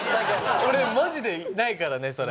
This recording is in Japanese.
俺マジでないからねそれ。